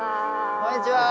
こんにちは。